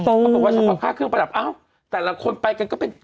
เขาบอกว่าเฉพาะค่าเครื่องประดับอ้าวแต่ละคนไปกันก็เป็น